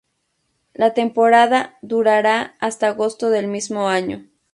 La temporada durará hasta agosto del mismo año.